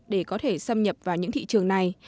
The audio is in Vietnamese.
để có thể xâm nhập vào những thị trường này